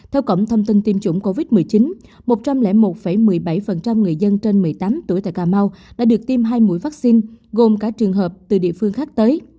theo cổng thông tin tiêm chủng covid một mươi chín một trăm linh một một mươi bảy người dân trên một mươi tám tuổi tại cà mau đã được tiêm hai mũi vaccine gồm cả trường hợp từ địa phương khác tới